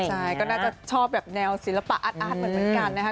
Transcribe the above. ใช่ก็น่าจะชอบแบบแนวศิลปะอาร์ตเหมือนกันนะคะ